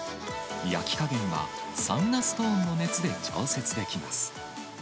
焼き加減はサウナストーンの熱で調節できます。